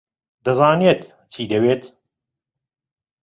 دەزانێت چی دەوێت.